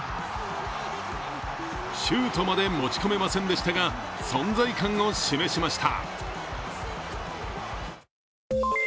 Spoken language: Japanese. シュートまで持ち込めませんでしたが存在感を示しました。